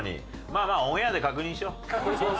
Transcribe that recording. まあまあオンエアで確認しよう。